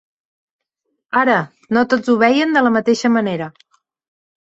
Ara, no tots ho veien de la mateixa manera.